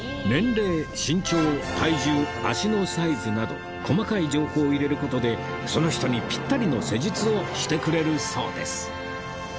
年齢身長体重足のサイズなど細かい情報を入れる事でその人にピッタリの施術をしてくれるそうです